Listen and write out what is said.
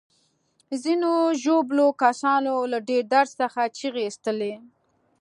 ځینو ژوبلو کسانو له ډیر درد څخه چیغې ایستلې.